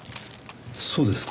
そうですか。